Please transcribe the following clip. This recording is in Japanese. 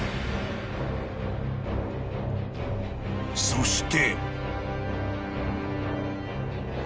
［そして］